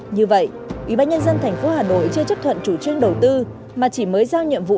như vậy ubnd tp hà nội chưa chấp thuận chủ trương đầu tư mà chỉ mới giao nhiệm vụ